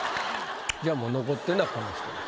じゃあもう残ってんのはこの人です。